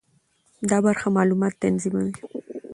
دا برخه معلومات تنظیموي.